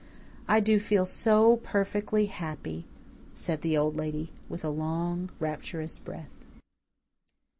"I do feel so perfectly happy," said the Old Lady, with a long, rapturous breath.